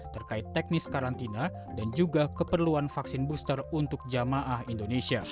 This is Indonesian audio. terkait teknis karantina dan juga keperluan vaksin booster untuk jamaah indonesia